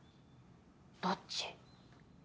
どっち？